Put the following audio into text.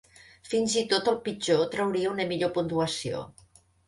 Fins i tot el pitjor trauria una millor puntuació.